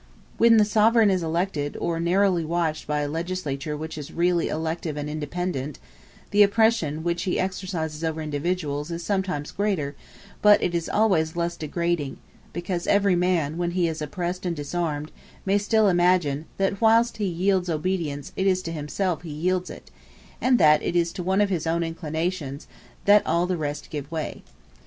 When the sovereign is elective, or narrowly watched by a legislature which is really elective and independent, the oppression which he exercises over individuals is sometimes greater, but it is always less degrading; because every man, when he is oppressed and disarmed, may still imagine, that whilst he yields obedience it is to himself he yields it, and that it is to one of his own inclinations that all the rest give way.